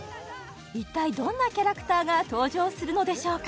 一体どんなキャラクターが登場するのでしょうか？